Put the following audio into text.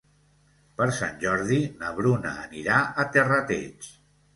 Per Sant Jordi na Bruna anirà a Terrateig.